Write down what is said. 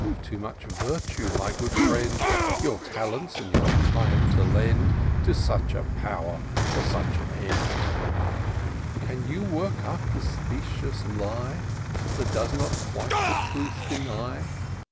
289 YouVe too much virtue, my good friend, Your talents and your time to lend To such a power — ^for such an end. Can you work up the specious lie, That does not quite the truth deny